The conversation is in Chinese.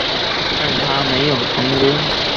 但它没有成功。